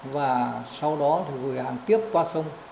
và sau đó thì gửi hàng tiếp qua sông